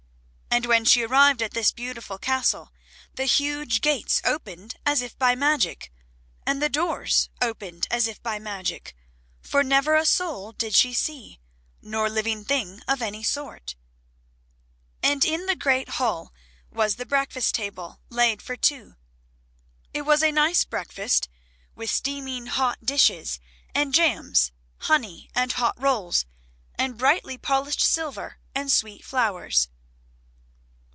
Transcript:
And when she arrived at this beautiful Castle, the huge gates opened as if by magic, and the doors opened as if by magic, for never a soul did she see, nor living thing of any sort. And in the great hall was the breakfast table laid for two. It was a nice breakfast with steaming hot dishes, and jams, honey, and hot rolls, and brightly polished silver, and sweet flowers.